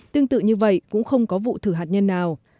tương tự như vậy cũng không có vụ thử hạt nhân nào